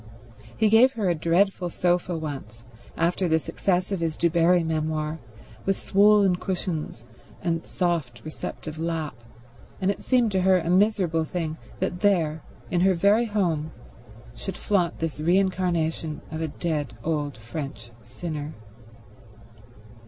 He gave her a dreadful sofa once, after the success of his Du Barri memoir, with swollen cushions and soft, receptive lap, and it seemed to her a miserable thing that there, in her very home, should flaunt this re incarnation of a dead old French sinner.